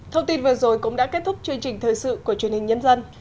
thông tin vừa rồi cũng đã kết thúc chương trình thời sự của truyền hình nhân dân